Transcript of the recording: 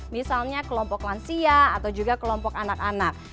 misalnya kelompok lansia atau juga kelompok anak anak